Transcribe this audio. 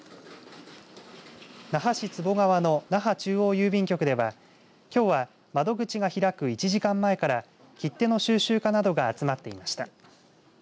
那覇市壷川の那覇中央郵便局ではきょうは窓口が開く１時間前から切手の収集家などが集まっていました。